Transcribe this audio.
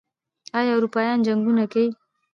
یا اروپايانو جنګونو کې